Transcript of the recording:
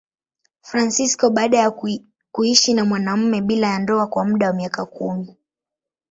Fransisko baada ya kuishi na mwanamume bila ya ndoa kwa muda wa miaka kumi.